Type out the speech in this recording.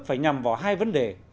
phải nhằm vào hai vấn đề